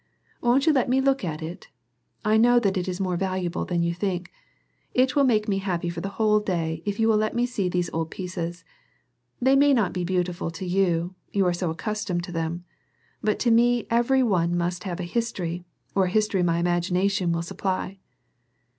"Won't you let me look at it? I know that it is more valuable than you think. It will make me happy for the whole day, if you will let me see these old pieces. They may not look beautiful to you, you are so accustomed to them; but to me every one must have a history, or a history my imagination will supply."